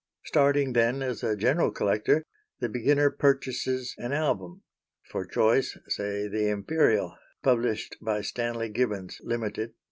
Starting, then, as a general collector, the beginner purchases an album for choice say the "Imperial," published by Stanley Gibbons, Ltd.